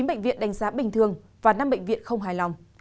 một mươi chín bệnh viện đánh giá bình thường và năm bệnh viện không hài lòng